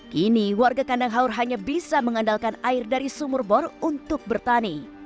kini warga kandang haur hanya bisa mengandalkan air dari sumur bor untuk bertani